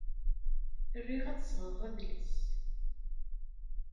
Riɣ ad sɣeɣ adlis.